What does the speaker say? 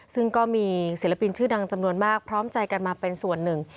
ซึ่งก็มีศิลปินชื่อดังจำนวนมากพร้อมใจกันมาเป็นส่วนหนึ่ง